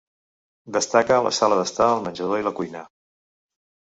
Destaca la sala d'estar, el menjador i la cuina.